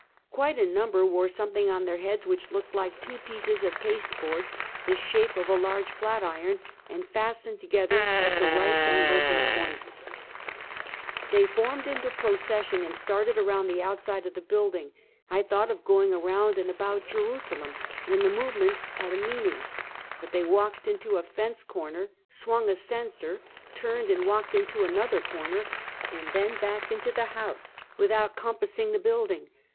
Quite a number wore sometliing on their heads which looked like two pieces of pasteboard, the shape of a large flat iron^ and fastened together at the right angles and points. 154 Half a Centuet. Thej formed into procession and started around tlie outside of the building, I thought of going " around and about " Jerusalem, and the movement had a mean ing; but they walked into a fence corner, swung a censor, turned and walked into another corner, and then back into the house, without compassing the building.